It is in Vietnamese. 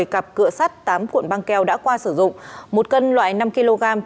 một mươi cặp cựa sắt tám cuộn băng keo đã qua sử dụng một cân loại năm kg